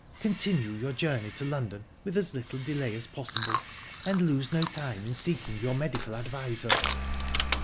Continue your journey to London with as little delay as possible, and lose no time in seeking your medical adviser."